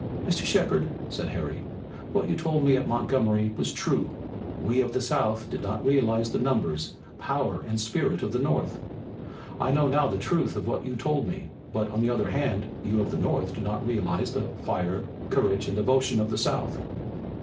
"Mr. Shepard," said Harry, "what you told me at Montgomery was true. We of the South did not realize the numbers, power and spirit of the North. I know now the truth of what you told me, but, on the other hand, you of the North do not realize the fire, courage and devotion of the South."